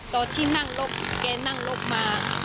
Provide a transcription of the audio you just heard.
ตอนที่นั่งลบแกนั่งลบมา